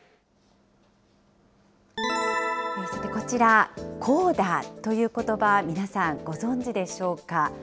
さてこちら、ＣＯＤＡということば、皆さん、ご存じでしょうか。